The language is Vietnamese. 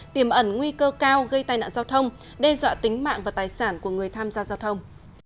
tiềm ẩn nguy cơ cao gây tai nạn giao thông đe dọa tính mạng và tài sản của người tham gia giao thông